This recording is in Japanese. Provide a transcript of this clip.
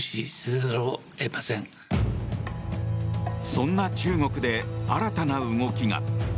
そんな中国で新たな動きが。